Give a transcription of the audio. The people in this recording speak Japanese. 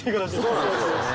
そうですよね